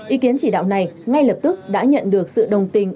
ý kiến chỉ đạo này ngay lập tức đã nhận được sự đồng tình